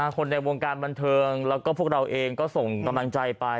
คนในวงการบันเทิงแล้วก็พวกเราเองก็ส่งกำลังใจไป